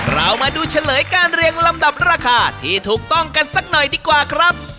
เรามาดูเฉลยการเรียงลำดับราคาที่ถูกต้องกันสักหน่อยดีกว่าครับ